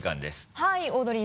はい。